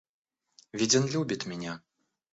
Ведь он любит меня!